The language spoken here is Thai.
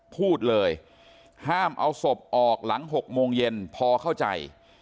พูดเลยห้ามเอาศพออกหลัง๖โมงเย็นพอเข้าใจ